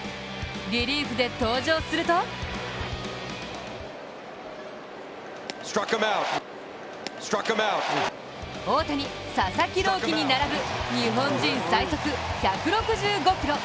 リリーフで登場すると大谷、佐々木朗希に並ぶ日本人最速１６５キロ！